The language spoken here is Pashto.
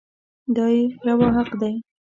دا يې روا حق دی.